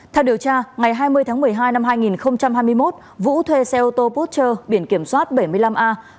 theo điều tra ngày hai mươi tháng một mươi hai năm hai nghìn hai mươi một vũ thuê xe ô tô porsche biển kiểm soát bảy mươi năm a một mươi một nghìn năm trăm năm mươi năm